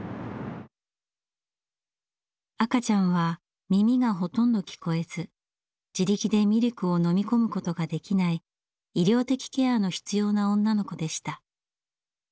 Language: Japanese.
赤ちゃんは耳がほとんど聞こえず自力でミルクを飲み込むことができない医療的ケアの必要な女の子でした。